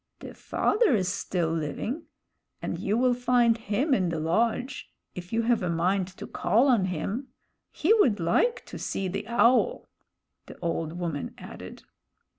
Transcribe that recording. "The father is still living; and you will find him in the lodge, if you have a mind to call on him. He would like to see the Owl," the old woman added.